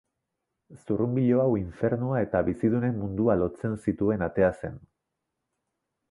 Zurrunbilo hau infernua eta bizidunen mundua lotzen zituen atea zen.